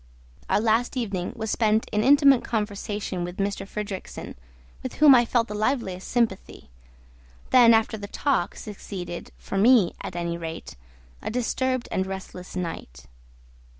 Our last evening was spent in intimate conversation with M. Fridrikssen, with whom I felt the liveliest sympathy; then, after the talk, succeeded, for me, at any rate, a disturbed and restless night.